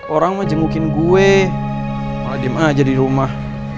orang mah jengukin gue malah diem aja di rumah